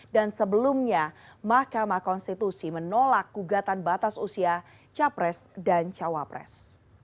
dan sebelumnya mahkamah konstitusi menolak gugatan batas usia capres dan cawapres